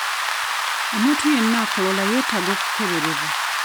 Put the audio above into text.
Omuntu yenna akolola yeetaaga kukeberebwa.